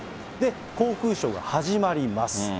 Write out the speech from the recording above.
航空ショーが始まります。